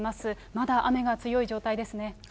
まだ雨が強い状態ですね。